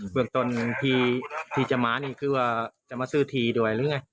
เมืองต้นที่จะมานี่คือว่าจะมาซื้อทีด้วยหรือไง